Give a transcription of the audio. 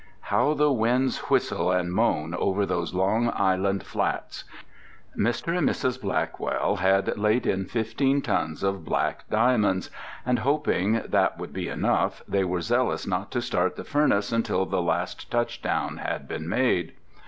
How the winds whistle and moan over those Long Island flats! Mr. and Mrs. Blackwell had laid in fifteen tons of black diamonds. And hoping that would be enough, they were zealous not to start the furnace until the last touchdown had been made.